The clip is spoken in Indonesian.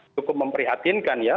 cukup memprihatinkan ya